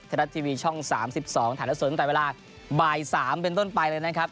รัฐทีวีช่อง๓๒ถ่ายแล้วสดตั้งแต่เวลาบ่าย๓เป็นต้นไปเลยนะครับ